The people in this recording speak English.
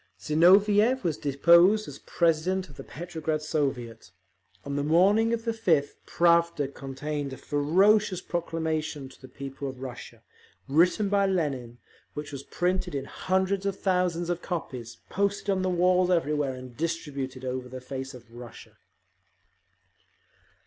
Zinoviev was deposed as president of the Petrograd Soviet. On the morning of the 5th, Pravda contained a ferocious proclamation to the people of Russia, written by Lenin, which was printed in hundreds of thousands of copies, posted on the walls everywhere, and distributed over the face of Russia.